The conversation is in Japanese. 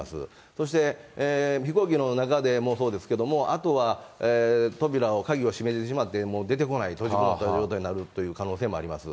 そして飛行機の中でもそうですけれども、あとは扉を、鍵を閉めてしまって出てこない、閉じこもった状態になるということもございます。